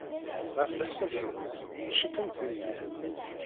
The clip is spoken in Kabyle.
Ɣef leḥsab-nwen, cikkent deg-i?